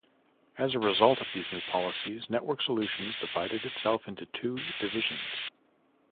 As a result of these new policies, Network Solutions divided itself into two divisions.